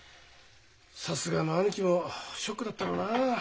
さすがの兄貴もショックだったろうなあ。